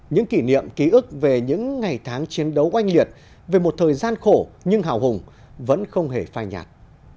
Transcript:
những kỷ niệm ký ức về những ngày tháng chiến đấu oanh liệt về một thời gian khổ nhưng hào hùng vẫn không hề phai nhạt